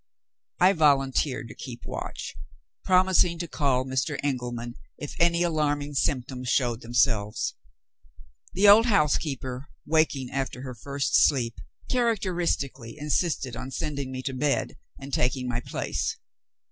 I volunteered to keep watch; promising to call Mr. Engelman if any alarming symptoms showed themselves. The old housekeeper, waking after her first sleep, characteristically insisted on sending me to bed, and taking my place.